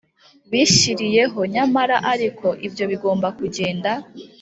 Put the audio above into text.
bishyiriyeho Nyamara ariko ibyo bigomba kugenda